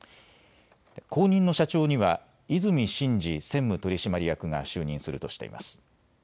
後任の社長には和泉伸二専務取締役が就任するとしています。